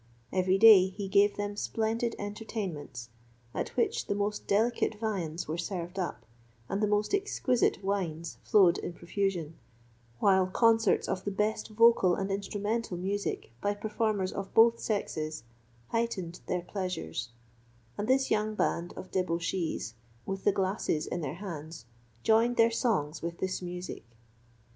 Every day he gave them splendid entertainments, at which the most delicate viands were served up, and the most exquisite wines flowed in profusion, while concerts of the best vocal and instrumental music by performers of both sexes heightened their pleasures, and this young band of debauchees with the glasses in their hands, joined their songs with the music.